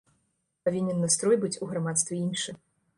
Павінен настрой быць у грамадстве іншы.